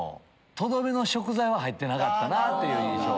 とどめの食材は入ってなかったなっていう印象。